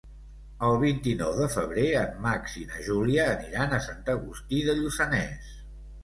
El vint-i-nou de febrer en Max i na Júlia aniran a Sant Agustí de Lluçanès.